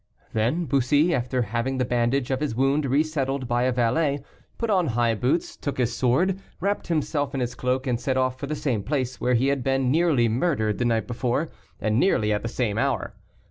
Then Bussy, after having the bandage of his wound resettled by a valet, put on high boots, took his sword, wrapped himself in his cloak, and set off for the same place where he had been nearly murdered the night before, and nearly at the same hour.